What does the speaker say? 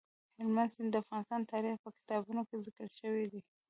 هلمند سیند د افغان تاریخ په کتابونو کې ذکر شوی دی.